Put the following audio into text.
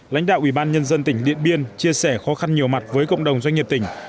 lãnh đạo ubnd tỉnh điện biên chia sẻ khó khăn nhiều mặt với cộng đồng doanh nghiệp tỉnh